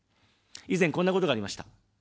以前、こんなことがありました。